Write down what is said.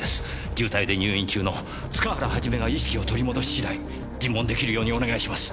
重体で入院中の塚原一が意識を取り戻し次第尋問出来るようにお願いします。